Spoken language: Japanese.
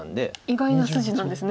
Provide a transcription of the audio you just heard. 意外な筋なんですね。